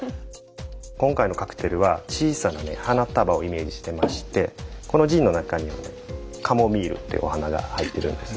今回のカクテルは小さな花束をイメージしてましてこのジンの中にはねカモミールっていうお花が入ってるんですね。